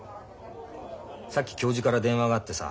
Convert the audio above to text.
さっき教授から電話があってさ。